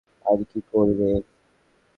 আর কী করবে?